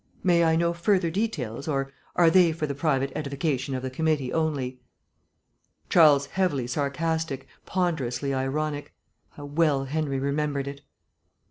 May I know further details, or are they for the private edification of the committee only?" Charles heavily sarcastic, ponderously ironic how well Henry remembered it.